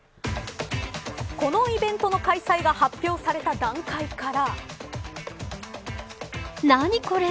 このイベントの開催が発表された段階から。